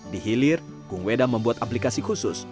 di hilir kung weda membuat aplikasi khusus